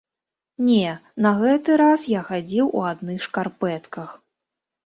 Не, на гэты раз я хадзіў у адных шкарпэтках.